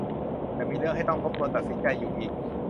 จะมีเรื่องให้ต้องทบทวนตัดสินใจอยู่อีก